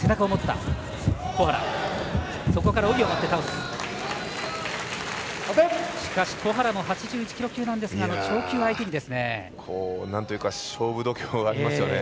小原も８１キロ級なんですが超級相手にですね。